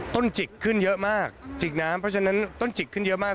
จิกขึ้นเยอะมากจิกน้ำเพราะฉะนั้นต้นจิกขึ้นเยอะมาก